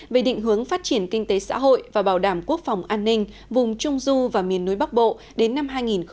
về định hướng phát triển kinh tế xã hội và bảo đảm quốc phòng an ninh vùng trung du và miền núi bắc bộ đến năm hai nghìn hai mươi